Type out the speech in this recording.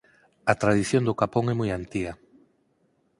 A tradición do capón é moi antiga.